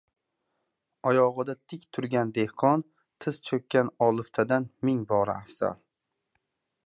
Oyog‘ida tik turgan dehqon tiz cho‘kkan oliftadan ming bora afzal.